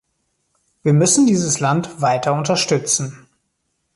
Wir müssen dieses Land weiter unterstützen.